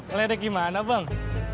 ngeledek gimana bang